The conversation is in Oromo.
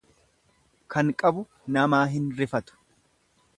Kan qabu namaa hin rifatu.